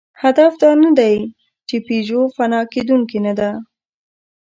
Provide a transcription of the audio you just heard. هدف دا نهدی، چې پيژو فنا کېدونکې نهده.